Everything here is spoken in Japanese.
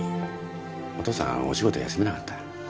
お父さんお仕事休めなかった